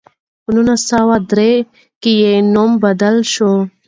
په نولس سوه درې کې یې نوم بدل شو.